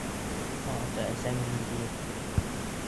— Ә ата-әсәң ни тиер?